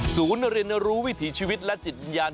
ศูนย์เรียนรู้วิถีชีวิตและจิตวิญญาณ